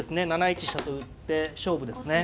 ７一飛車と打って勝負ですね。